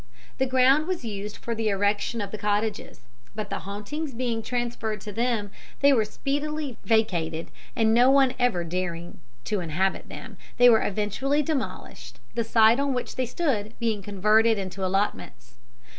The ground was used for the erection of cottages; but the hauntings being transferred to them, they were speedily vacated, and no one ever daring to inhabit them, they were eventually demolished, the site on which they stood being converted into allotments.